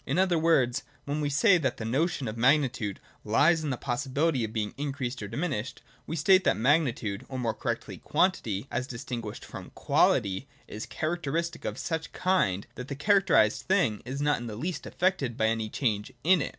In other words, when we say that the notion of magnitude lies in the possibility of being increased or diminished, we state that magnitude (or more correctly, quantity), as distinguished from quality, is a characteristic of such kind that the characterised thing is not in the least affected by any change in it.